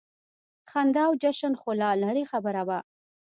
خندا او جشن خو لا لرې خبره وه.